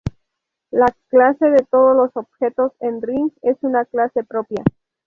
La clase de todos los objetos en Ring es una clase propia.